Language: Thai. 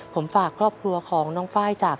ผมฝากครอบครัวของน้องไฟล์จาก